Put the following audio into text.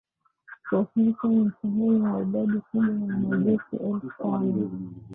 Kikosi hicho ni sehemu ya idadi kubwa ya wanajeshi elfu tano